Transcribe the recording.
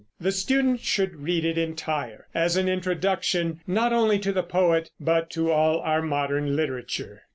The student should read it entire, as an introduction not only to the poet but to all our modern literature.